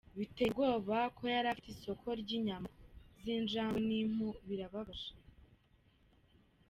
Biteye ubwoba ko yari afite isoko ry’inyama z’injangwe n’impu, birababaje.